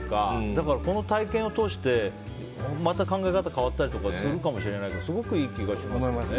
だから、この体験を通してまた考え方が変わったりするかもしれないからすごくいい気がしますね。